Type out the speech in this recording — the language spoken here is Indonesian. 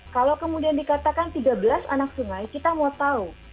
kalau kemudian dikatakan tiga belas anak sungai kita mau tahu